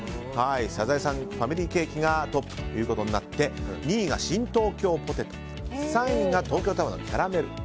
サザエさんファミリーケーキがトップとなって２位が新東京ぽてと３位が東京タワーのキャラメル。